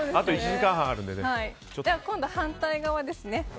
今度、反対側ですね。